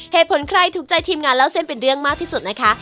ใครถูกใจทีมงานเล่าเส้นเป็นเรื่องมากที่สุดนะคะ